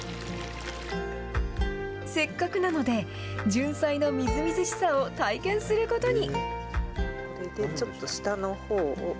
せっかくなので、じゅんさいのみずみずしさを体験することに。